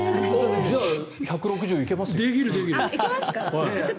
じゃあ１６０ｋｍいけますよ。